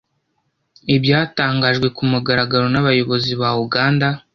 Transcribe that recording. ibyatangajwe ku mugaragaro n'abayobozi ba uganda